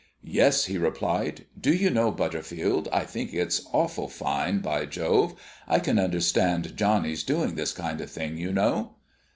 "Yes," he replied. "Do you know, Butterfield, I think it's awful fine, by Jove. I can understand Johnnies doing that kind of thing, you know."